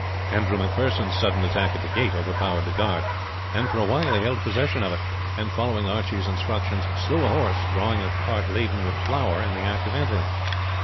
Andrew Macpherson's sudden attack at the gate overpowered the guard, and for a while he held possession of it, and following Archie's instructions, slew a horse drawing a cart laden with flour in the act of entering.